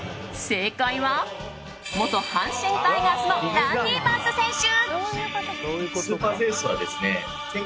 正解は元阪神タイガースのランディ・バース選手。